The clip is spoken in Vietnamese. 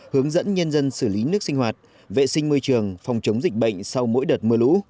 hướng dẫn nhân dân xử lý nước sinh hoạt vệ sinh môi trường phòng chống dịch bệnh sau mỗi đợt mưa lũ